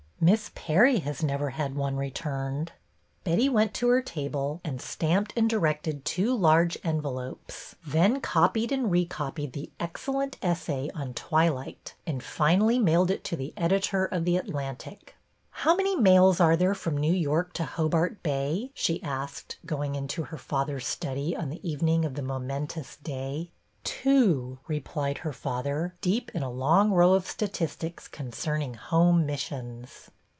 Miss Perry has never had one returned." Betty went to her table and stamped and 22 BETTY BAIRD'S VENTURES directed two large envelopes, then copied and re copied the excellent essay on '' Twilight," and finally mailed it to the editor of The Atlantic. '' How many mails are there from New York to Hobart Bay?" she asked, going into her fa ther's study on the evening of the momentous day. Two," replied her father, deep in a long row of statistics concerning Home Missions.